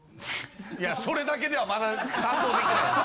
いやそれだけではまだ賛同できないです。